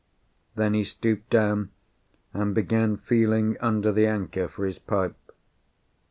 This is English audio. Then he stooped down and began feeling under the anchor for his pipe.